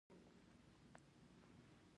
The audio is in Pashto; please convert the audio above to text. فقهي قواعدو تسلط ولري.